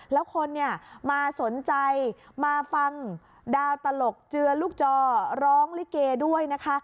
แล้วคนเนี่ยมาสนใจมาฟังดาวตลกเจือลูกจอร้องลิเกด้วยนะคะ